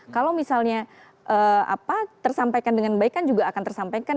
kalau misalnya tersampaikan dengan baik kan juga akan tersampaikan